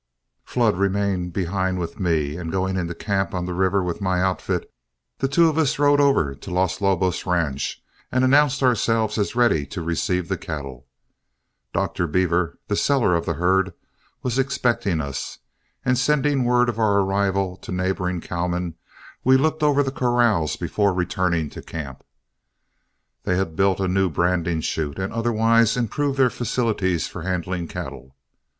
Flood remained behind with me, and going into camp on the river with my outfit, the two of us rode over to Los Lobos Ranch and announced ourselves as ready to receive the cattle. Dr. Beaver, the seller of the herd, was expecting us, and sending word of our arrival to neighboring cowmen, we looked over the corrals before returning to camp. They had built a new branding chute and otherwise improved their facilities for handling cattle.